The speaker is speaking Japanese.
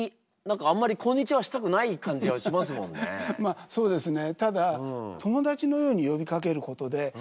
まあそうですね。